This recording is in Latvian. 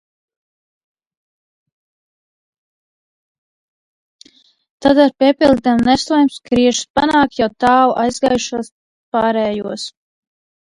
Tad ar piepildītām nestuvām skriešus panākt jau tālu aizgājušos pārējos.